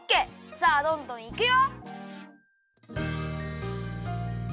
さあどんどんいくよ！